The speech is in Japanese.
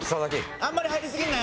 あんまり入りすぎるなよ。